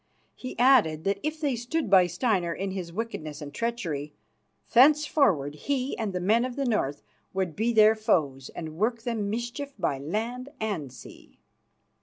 He added that if they stood by Steinar in his wickedness and treachery, thenceforward he and the men of the North would be their foes and work them mischief by land and sea.